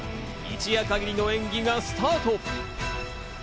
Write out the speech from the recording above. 一夜限りの演技がスタート。